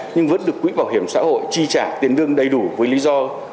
nhưng vẫn được quỹ bảo hiểm xã hội chi trả tiền lương đầy đủ với lý do